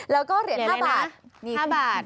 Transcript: แล้วก็เหรียญ๕บาท๕บาท